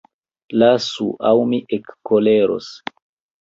Lasu, aŭ mi ekkoleros!